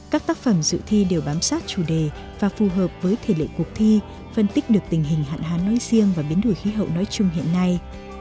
các tác phẩm dự thi đều bám sát chủ đề và phù hợp với thể lệ cuộc thi phân tích được tình hình hạn hán nói riêng và biến đổi khí hậu nói chung hiện nay